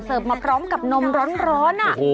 เสิร์ฟมาพร้อมกับนมร้อนน่ะ